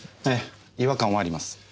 ええ違和感はあります。